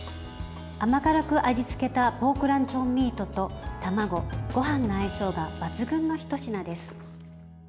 甘辛く味付けたポークランチョンミートと卵、ごはんの相性が抜群のひと品です。